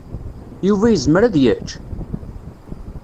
Yuba yezmer ad yečč?